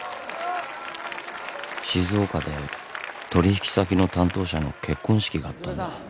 静岡で取引先の担当者の結婚式があったんだ。